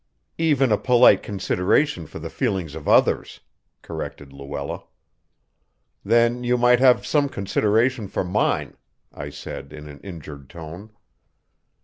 "Even a polite consideration for the feelings of others," corrected Luella. "Then you might have some consideration for mine," I said in an injured tone.